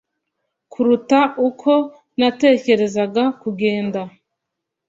kuruta uko natekerezaga kugenda